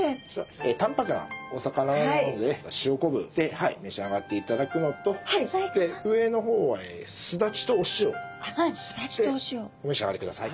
淡泊なお魚なので塩昆布で召し上がっていただくのと上の方はスダチとお塩でお召し上がりください。